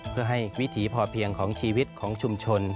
เพื่อให้วิถีพอเพียงของชีวิตของชุมชน